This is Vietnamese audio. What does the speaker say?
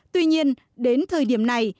tuy nhiên đến thời điểm này